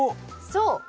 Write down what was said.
そう。